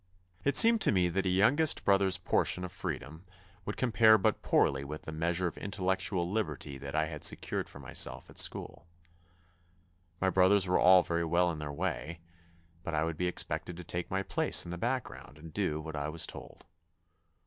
It seemed to me that a youngest brother's portion of freedom would compare but poorly with the measure of intellectual liberty that I had secured for myself at school. My brothers were all very well in their way, but I would be expected to take my place in the background and do what I was told.